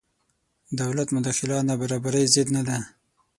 دولت مداخله نابرابرۍ ضد نه دی.